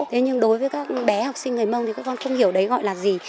thế nhưng đối với các bé học sinh người mông thì các con không hiểu đấy gọi là gì